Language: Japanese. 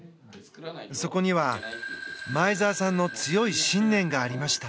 そこには前沢さんの強い信念がありました。